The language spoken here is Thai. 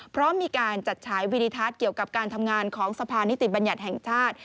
เพราะมีการจัดฉายวินิทัศน์เกี่ยวกับการทำงานของสะพานิติบัญญัติแห่งชาติ